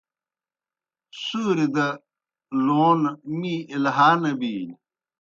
سُوریْ دہ لون می اِلہا نہ بِینیْ۔